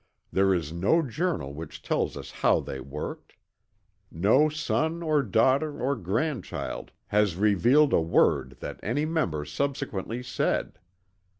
There is no journal which tells us how they worked. No son or daughter or grandchild has revealed a word that any member subsequently said.